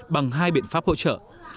bằng hai biện pháp hỗ trợ